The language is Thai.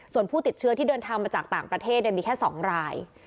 ส่วนผู้ติดเชื้อที่เดินทางมาจากต่างประเทศมีแค่๒ราย